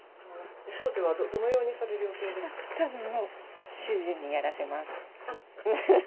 お掃除はどのようにされる予たぶんもう、主人にやらせます。